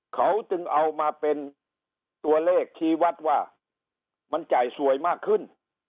เขาจึงเอามาเป็นตัวเลขชี้วัดว่ามันจ่ายสวยมากขึ้น